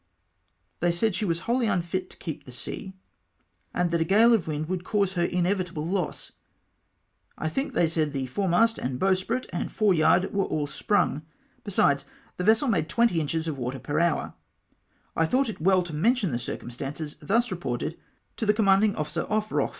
They said she was wholly unfit to keep the sea, and that a gale of wind would cause her inevitable loss. I think they said the fore mast, and bowsprit, and fore yard, were all sprung ; besides, the vessel made twenty inches of water per hour, I thought it well to mention the circum stances, thus reported, to the commanding officer off Roche Q 2 228 XAVAL ABUSES.